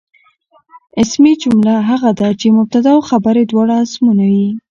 اسمي جمله هغه ده، چي مبتدا او خبر ئې دواړه اسمونه يي.